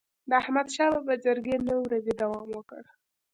د احمدشاه بابا جرګي نه ورځي دوام وکړ.